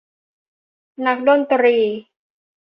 นักดนตรี